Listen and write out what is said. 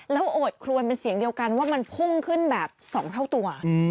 แล้วโอดครวนเป็นเสียงเดียวกันว่ามันพุ่งขึ้นแบบ๒เท่าตัว